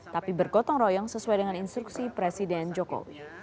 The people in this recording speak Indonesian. tapi bergotong royong sesuai dengan instruksi presiden jokowi